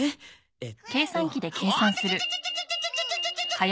えっ！